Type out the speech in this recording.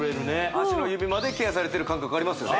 足の指までケアされてる感覚ありますよね